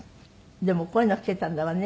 でもこういうのを着てたんだわね